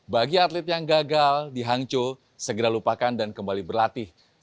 bagi atlet yang gagal di hangzhou segera lupakan dan kembali berlatih